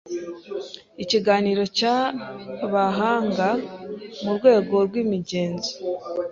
Ikiganiro cyabahanga murwego rwimigenzo